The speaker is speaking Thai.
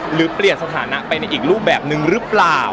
หรือเปลี่ยนสถานะไปในอีกรูปแบบนึงหรือเปล่า